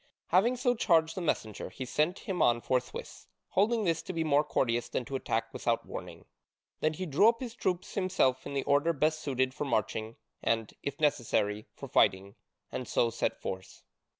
Having so charged the messenger he sent him on forthwith, holding this to be more courteous than to attack without warning. Then he drew up his troops himself in the order best suited for marching, and, if necessary, for fighting, and so set forth.